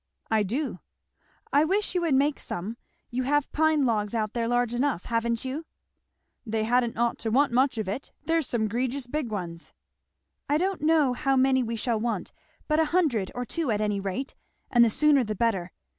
"I do!" "I wish you would make some you have pine logs out there large enough, haven't you?" "They hadn't ought to want much of it there's some gregious big ones!" "I don't know how many we shall want, but a hundred or two at any rate; and the sooner the better.